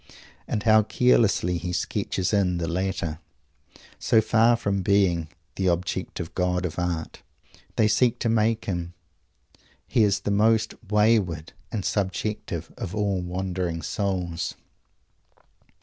And how carelessly he "sketches in" the latter! So far from being "the Objective God of Art" they seek to make him, he is the most wayward and subjective of all wandering souls.